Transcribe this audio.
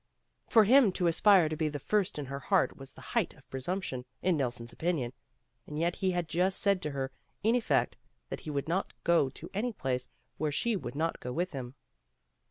For him to aspire to be the first in her heart was the height of presumption, in Nelson 's opinion, and yet he had just said to her in effect that he would not go to any place where she would not go with him.